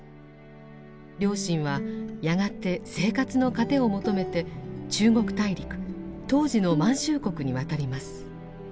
両親はやがて生活の糧を求めて中国大陸当時の満州国に渡ります。